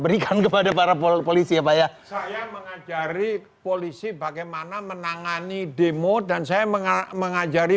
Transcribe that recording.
berikan kepada para polisi ya pak ya saya mengajari polisi bagaimana menangani demo dan saya mengajari